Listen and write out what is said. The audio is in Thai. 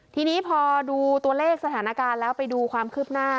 ทีนี้พอดูตัวเลขสถานการณ์แล้วไปดูความคืบหน้า